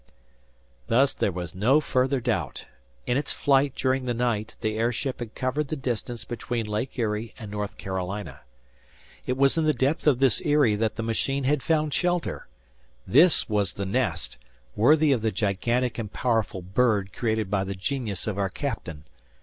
Thus there was no further doubt. In its flight during the night the airship had covered the distance between Lake Erie and North Carolina. It was in the depth of this Eyrie that the machine had found shelter! This was the nest, worthy of the gigantic and powerful bird created by the genius of our captain!